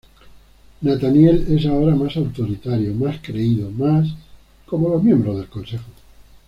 Nathaniel es ahora más autoritario, más creído más... como los miembros del consejo.